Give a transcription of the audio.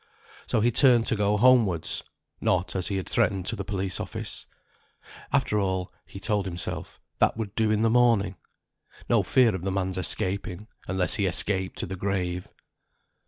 So he turned to go homewards; not, as he had threatened, to the police office. After all (he told himself), that would do in the morning. No fear of the man's escaping, unless he escaped to the grave.